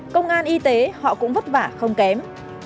công an y tế họ cũng vất vả không kém